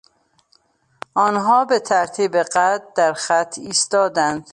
آنها به ترتیب قد در خط ایستادند.